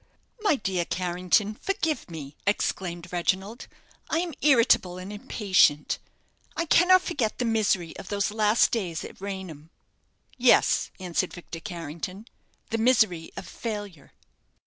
"My dear Carrington, forgive me," exclaimed Reginald. "I am irritable and impatient. I cannot forget the misery of those last days at Raynham." "Yes," answered Victor Carrington: "the misery of failure."